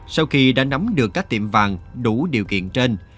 sau khi đã nắm được các tiệm vàng đủ điều kiện trên